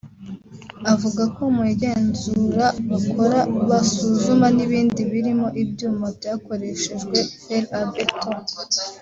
Avuga ko mu igenzura bakora basuzuma n’ibindi birimo ibyuma byakoreshejwe (fer à béton)